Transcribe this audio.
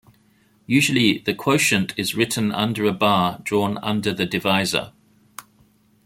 Usually the quotient is written under a bar drawn under the divisor.